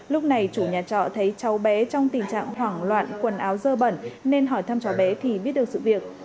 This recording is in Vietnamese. lúc này chủ nhà trọ thấy cháu bé trong tình trạng hoảng loạn quần áo dơ bẩn nên hỏi thăm cháu bé thì biết được sự việc